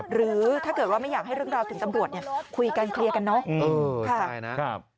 หรือถ้าเกิดว่าไม่อยากให้เรื่องราวถึงตำรวจเนี่ยคุยกันเคลียร์กันเนอะ